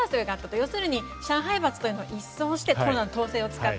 要するに上海閥というのを一掃してコロナの統制を使って。